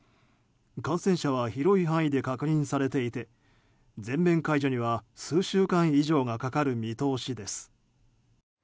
感染者は広い範囲で確認されていて全面解除には数週間以上がかかる見通しです。